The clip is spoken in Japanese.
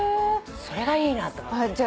それがいいなと思って。